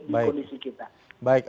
di kondisi kita